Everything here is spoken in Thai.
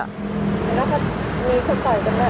แล้วเค้าจะมีคุกต่อยกันเนี่ย